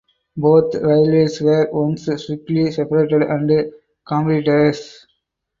Both railways were once strictly separated and competitors.